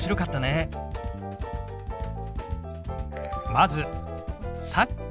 まず「さっき」。